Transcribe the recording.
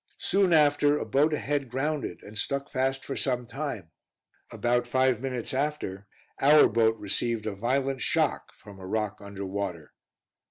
Soon after, a boat ahead grounded, and stuck fast for some time: about five minutes after, our boat received a violent shock from a rock under water.